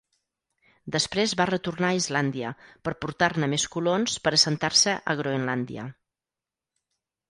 Després va retornar a Islàndia per portar-ne més colons per assentar-se a Groenlàndia.